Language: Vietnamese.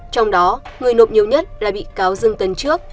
trong đó người nộp nhiều nhất là bị cáo dương tấn trước